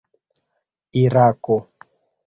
irako